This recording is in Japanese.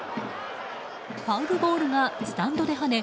ファウルボールがスタンドではね